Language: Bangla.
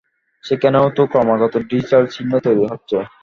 সেখানেও তো ক্রমাগত ডিজিটাল চিহ্ন তৈরি হচ্ছে।